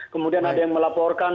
kemudian ada yang melaporkan